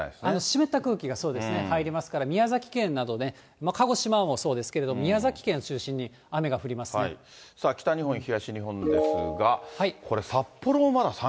湿った空気が、そうですね、入りますから、宮崎県など、鹿児島もそうですけれども、さあ、北日本、東日本ですが。